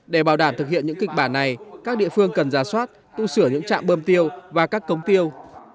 để bảo đảm thực hiện những kịch bản này các địa phương cần ra soát tu sửa những trạm bơm tiêu và các cống tiêu